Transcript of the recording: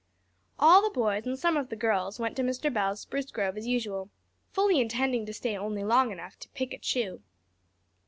All the boys and some of the girls went to Mr. Bell's spruce grove as usual, fully intending to stay only long enough to "pick a chew."